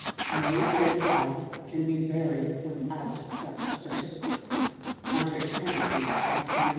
No dead body can be buried without such certificate, under a penalty of £10.